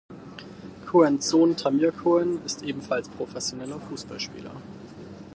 Cohens Sohn Tamir Cohen ist ebenfalls professioneller Fußballspieler.